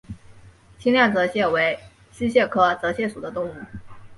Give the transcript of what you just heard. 清亮泽蟹为溪蟹科泽蟹属的动物。